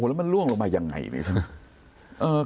แล้วมันล่วงลงมายังไงนี่ใช่ไหม